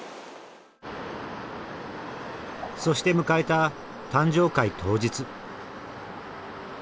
そして迎えた誕生会当日。